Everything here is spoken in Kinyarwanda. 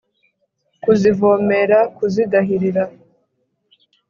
kuzivomera kuzidahirira